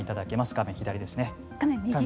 画面右ですね。